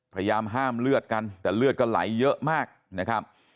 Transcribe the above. พยายามห้ามเลือดกันแต่เลือดก็ไหลเยอะมากนะครับ